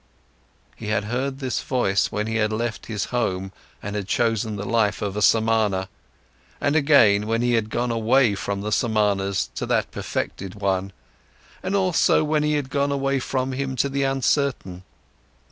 He had heard this voice when he had left his home and had chosen the life of a Samana, and again when he had gone away from the Samanas to that perfected one, and also when he had gone away from him to the uncertain.